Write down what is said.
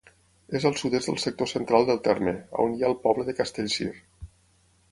És al sud-est del sector central del terme, on hi ha el poble de Castellcir.